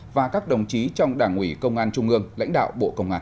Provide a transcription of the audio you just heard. và các đồng chí trong đảng ủy công an trung ương lãnh đạo bộ công an